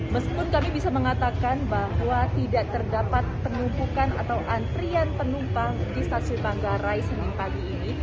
meskipun kami bisa mengatakan bahwa tidak terdapat penumpukan atau antrian penumpang di stasiun manggarai senin pagi ini